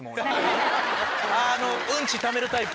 うんちためるタイプ？